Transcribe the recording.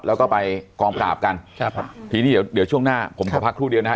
แล้วก็ไปกองปราบกันครับทีนี้เดี๋ยวเดี๋ยวช่วงหน้าผมขอพักครู่เดียวนะฮะ